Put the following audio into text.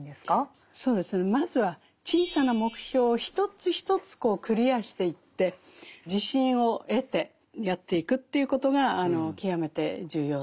そうですねまずは小さな目標を一つ一つクリアしていって自信を得てやっていくということが極めて重要だということですね。